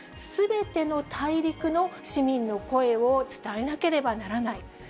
すべての大陸の市民の声を伝えなければならない。